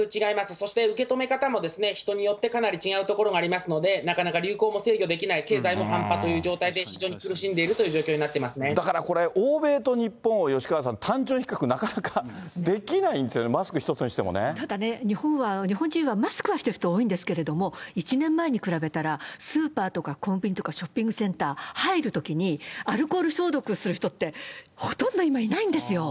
そして、受け止め方も人によってかなり違うところがありますので、なかなか流行も制御できない、経済もという状況で、非常に苦しんでいるという状況になっていだからこれ、欧米と日本を吉川さん、単純に比較、なかなかできないんですね、日本は日本人は、マスクはしている人は多いんですけれども、１年前に比べたら、スーパーとかコンビニとかショッピングセンター、入るときに、アルコール消毒する人って、ほとんど今、いないんですよ。